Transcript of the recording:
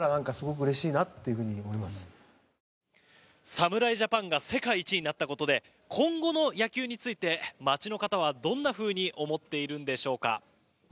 侍ジャパンが世界一になったことで今後の野球について街の方はどんなふうに思っているんでしょうか。